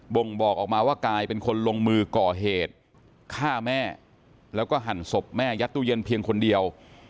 ่งบอกออกมาว่ากายเป็นคนลงมือก่อเหตุฆ่าแม่แล้วก็หั่นศพแม่ยัดตู้เย็นเพียงคนเดียว